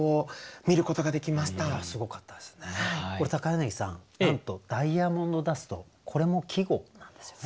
なんと「ダイヤモンドダスト」これも季語なんですよね。